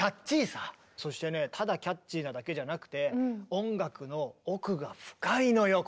そしてねただキャッチーなだけじゃなくて音楽の奥が深いのよ